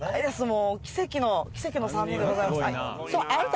もう奇跡の奇跡の３人でございます